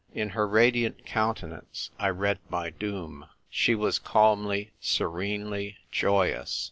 In her radiant countenance I read my doom. She was calmly, serenely joyous.